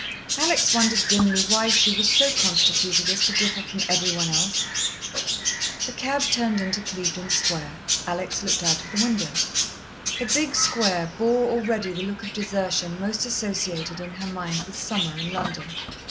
Alex wondered dimly why she was so constituted as to differ from every one else. The cab turned into Clevedon Square. Alex looked out of the window. The big square bore already the look of desertion most associated in her mind with summer in London.